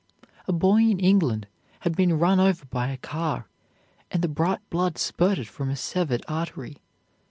A boy in England had been run over by a car, and the bright blood spurted from a severed artery.